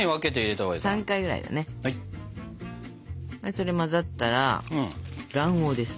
それ混ざったら卵黄です。